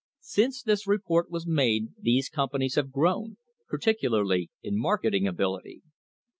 Since this report was made these companies have grown, particularly in marketing ability.